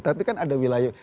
tapi kan ada wilayah